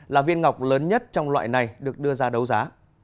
là viên ngọc lớn nhất trong loại này được đưa ra đấu giá